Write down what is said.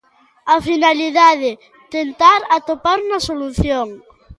A finalidade, "tentar atopar unha solución".